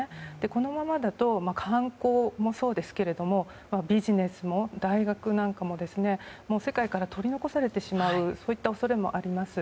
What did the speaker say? このままだと観光もそうですけどビジネスも大学なんかも世界から取り残されてしまうそういった恐れもあります。